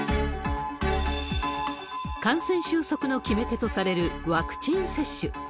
感染収束の決め手とされるワクチン接種。